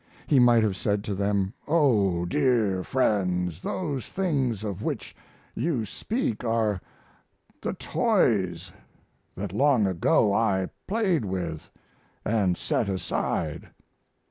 He might have said to them: "Oh, dear friends, those things of which you speak are the toys that long ago I played with and set aside."